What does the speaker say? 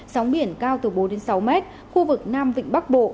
sóng biển cao từ bốn đến sáu mét khu vực nam vịnh bắc bộ